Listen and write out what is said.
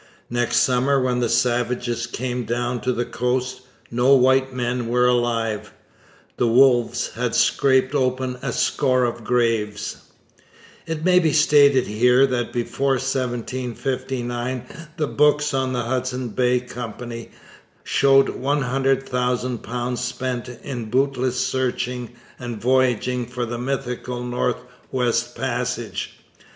Next summer when the savages came down to the coast no white men were alive. The wolves had scraped open a score of graves. It may be stated here that before 1759 the books of the Hudson's Bay Company show £100,000 spent in bootless searching and voyaging for the mythical North West Passage.